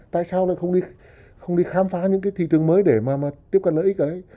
tại sao lại không đi khám phá những thị trường mới để mà tiếp cận lợi ích ấy